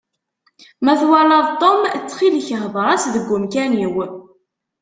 Ma twalaḍ Tom, ttxil-k, hder-as deg umkan-iw.